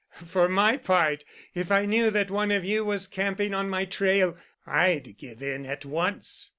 For my part, if I knew that one of you was camping on my trail, I'd give in at once."